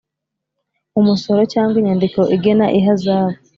umusoro cyangwa inyandiko igena ihazabu